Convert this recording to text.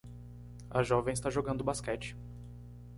A jovem está jogando basquete.